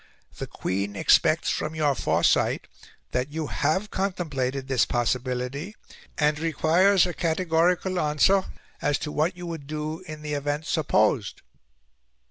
The Queen expects from your foresight that you have contemplated this possibility, and requires a categorical answer as to what you would do in the event supposed."